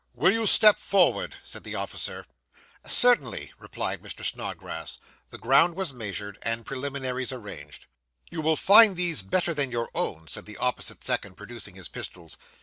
'Will you step forward?' said the officer. 'Certainly,' replied Mr. Snodgrass. The ground was measured, and preliminaries arranged. 'You will find these better than your own,' said the opposite second, producing his pistols.